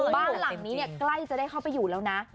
บ้านหลังนี้ใกล้จะได้เข้าไปอยู่แล้วนะ